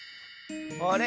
あれ？